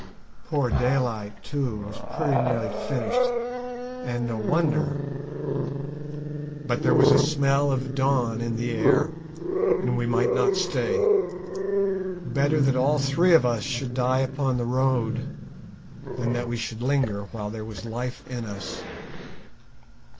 Poor Daylight, too, was pretty nearly finished, and no wonder. But there was a smell of dawn in the air, and we might not stay; better that all three of us should die upon the road than that we should linger while there was life in us.